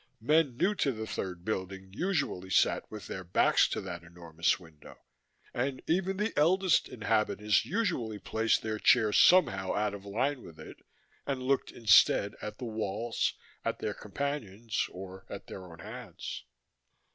Men new to the Third Building usually sat with their backs to that enormous window, and even the eldest inhabitants usually placed their chairs somehow out of line with it, and looked instead at the walls, at their companions, or at their own hands.